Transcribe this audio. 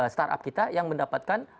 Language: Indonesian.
startup kita yang mendapatkan